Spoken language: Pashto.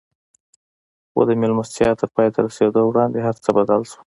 خو د مېلمستيا تر پای ته رسېدو وړاندې هر څه بدل شول.